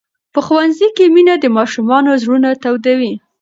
په ښوونځي کې مینه د ماشومانو زړونه تودوي.